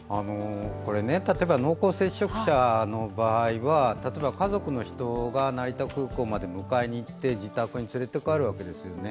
例えば濃厚接触者の場合は、家族の人が成田空港まで迎えに行って自宅に連れて帰るわけですよね。